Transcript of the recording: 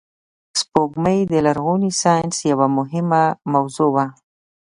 سپوږمۍ د لرغوني ساینس یوه مهمه موضوع وه